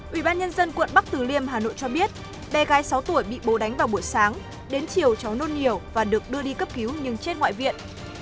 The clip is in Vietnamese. ủy ban nhân dân quận bắc từ liêm hà nội cho biết bé gái sáu tuổi bị bố đánh vào buổi sáng đến chiều cháu nôn nhiều và được đưa đi cấp cứu nhưng chết ngoại viện